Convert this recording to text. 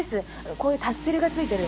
こういうタッセルが付いてる。